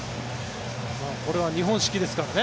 これは日本式ですからね。